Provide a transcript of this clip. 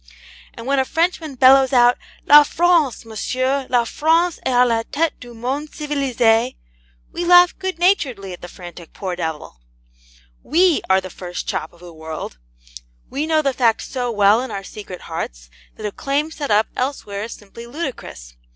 And when a Frenchman bellows out, 'LA FRANCE, MONSIEUR, LA FRANCE EST A LA TETE DU MONDE CIVILISE!' we laugh good naturedly at the frantic poor devil. WE are the first chop of the world: we know the fact so well in our secret hearts that a claim set up elsewhere is simply ludicrous.